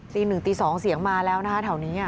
ตีหนึ่งตีสองเสียงมาแล้วนะฮะแถวนี้